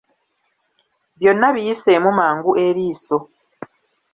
Byonna biyiseemu mangu eriiso.